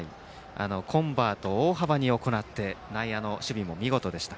コンバートを大幅に行って内野の守備も見事でした。